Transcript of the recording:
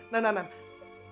nah nah nah